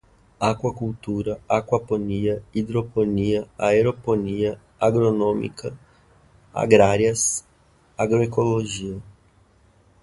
aquacultura, aquaponia, hidroponia, aeroponia, agronômica, agrárias, agroecologia